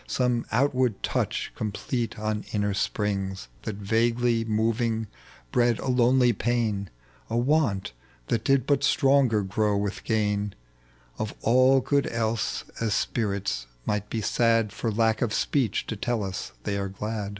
Some outward touch complete on inner springs That vaguely moving bred a lonely pain, A want that did but stronger grow with gain Of all good else, as spirits might be sad For lack of speech to tell ua they are glad.